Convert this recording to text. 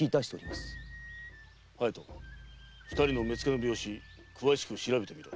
隼人二人の目付の病死詳しく調べてくれ。